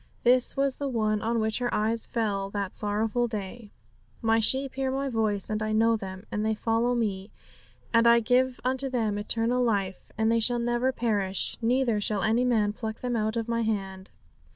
This was the one on which her eyes fell that sorrowful day 'My sheep hear My voice, and I know them, and they follow Me; and I give unto them eternal life; and they shall never perish, neither shall any man pluck them out of My hand.'